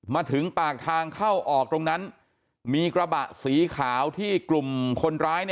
มาถึงปากทางเข้าออกตรงนั้นมีกระบะสีขาวที่กลุ่มคนร้าย